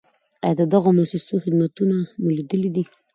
آیا د دغو مؤسسو خدمتونه مو لیدلي دي؟